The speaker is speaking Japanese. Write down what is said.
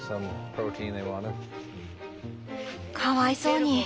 かわいそうに。